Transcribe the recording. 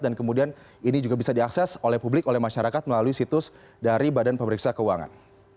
dan kemudian ini juga bisa diakses oleh publik oleh masyarakat melalui situs dari badan pemeriksa keuangan